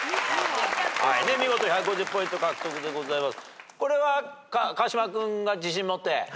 見事１５０ポイント獲得でございます。